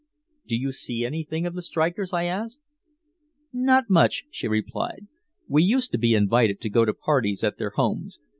"Do you see anything of the strikers?" I asked. "Not much," she replied. "We used to be invited to go to parties at their homes.